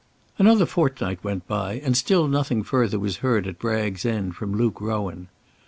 Another fortnight went by, and still nothing further was heard at Bragg's End from Luke Rowan.